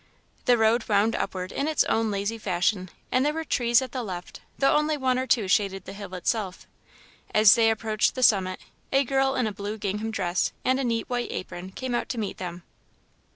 The road wound upward in its own lazy fashion, and there were trees at the left, though only one or two shaded the hill itself. As they approached the summit, a girl in a blue gingham dress and a neat white apron came out to meet them.